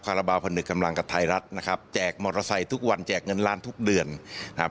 ราบาลพนึกกำลังกับไทยรัฐนะครับแจกมอเตอร์ไซค์ทุกวันแจกเงินล้านทุกเดือนนะครับ